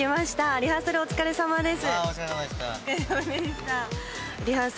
リハーサルお疲れさまです。